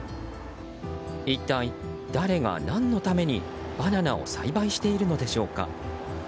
一体、誰が何のためにバナナを栽培しているのでしょうか。